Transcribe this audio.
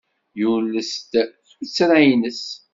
Yules-d tuttra-nnes.